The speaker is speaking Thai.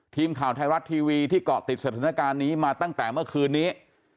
ทีมข่าวไทยรัฐทีวีที่เกาะติดสถานการณ์นี้มาตั้งแต่เมื่อคืนนี้